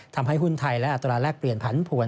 ทำให้หุ้นไทยและอัตราแรกเปลี่ยนผันผวน